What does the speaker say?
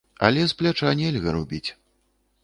Але з пляча нельга рубіць.